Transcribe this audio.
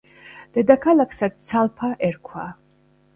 დედაქალაქსაც ცალფა ერქვა.